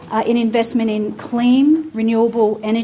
dalam investasi di energi klinik